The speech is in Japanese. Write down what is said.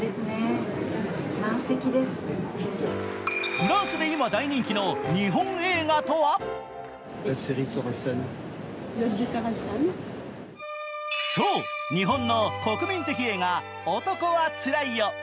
フランスで今、大人気の日本映画とはそう、日本の国民的映画「男はつらいよ」。